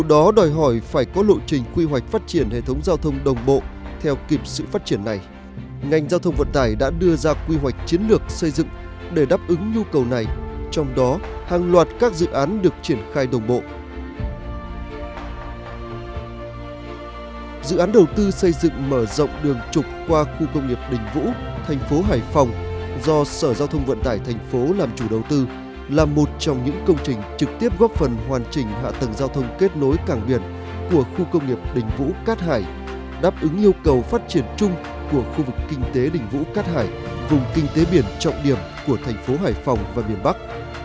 do sở giao thông vận tải thành phố làm chủ đầu tư là một trong những công trình trực tiếp góp phần hoàn chỉnh hạ tầng giao thông kết nối cảng biển của khu công nghiệp đình vũ cát hải đáp ứng yêu cầu phát triển chung của khu vực kinh tế đình vũ cát hải vùng kinh tế biển trọng điểm của thành phố hải phòng và biển bắc